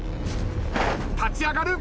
立ち上がる。